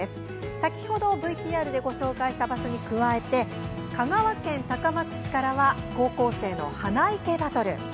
先ほどＶＴＲでご紹介した場所に加えて香川県高松市からは高校生の花生けバトル。